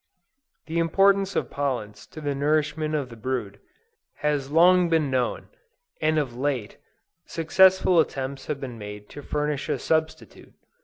The importance of pollen to the nourishment of the brood, has long been known, and of late, successful attempts have been made to furnish a substitute.